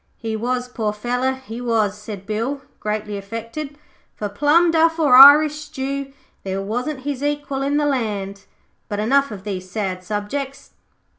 'He was, poor feller, he was,' said Bill, greatly affected. 'For plum duff or Irish stoo there wasn't his equal in the land. But enough of these sad subjects.